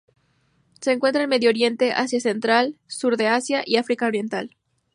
Se encuentra en Medio Oriente, Asia central, sur de Asia y África oriental.